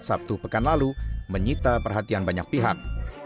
sabtu pekan lalu menyita perhatian banyak pihak